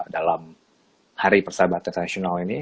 dalam hari persahabatan nasional ini